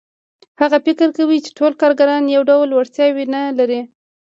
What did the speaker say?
هغه فکر کوي چې ټول کارګران یو ډول وړتیاوې نه لري